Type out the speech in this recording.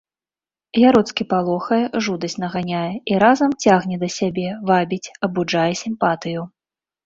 Яроцкі палохае, жудасць наганяе і разам цягне да сябе, вабіць, абуджае сімпатыю.